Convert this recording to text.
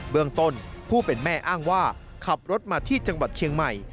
เมืองต้นผู้เป็นแม่อ้างว่าขับรถมาที่จังหวัดเชียงใหม่